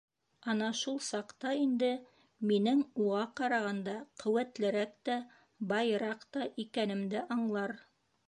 Ана шул саҡта инде минең уға ҡарағанда ҡеүәтлерәк тә, байыраҡ та икәнемде аңлар.